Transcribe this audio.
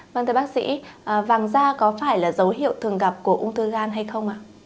vâng thưa bác sĩ vàng da có phải là dấu hiệu thường gặp không